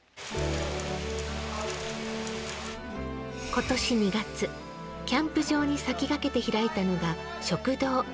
今年２月キャンプ場に先駆けて開いたのが食堂。